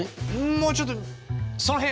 もうちょっとその辺！